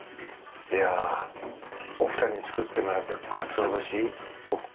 いやお二人に作ってもらったかつお節僕